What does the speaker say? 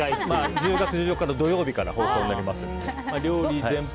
１０月１４日土曜日から放送になります。